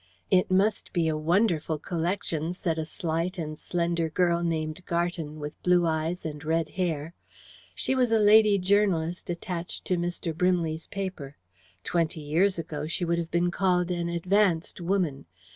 "It must be a wonderful collection," said a slight and slender girl named Garton, with blue eyes and red hair. She was a lady journalist attached to Mr. Brimley's paper. Twenty years ago she would have been called an advanced woman.